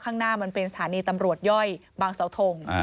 ข้างหน้ามันเป็นสถานีตำรวจย่อยบางเสาทง